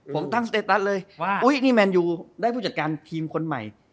ผมตั้งสเตตัสเลยว่าอุ๊ยนี่แมนยูได้ผู้จัดการทีมคนใหม่